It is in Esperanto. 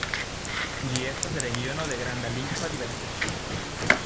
Ĝi estas regiono de granda lingva diverseco.